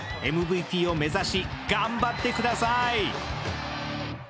ＭＶＰを目指し、頑張ってください。